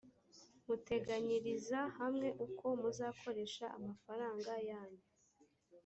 muteganyiriza hamwe uko muzakoresha amafaranga yanyu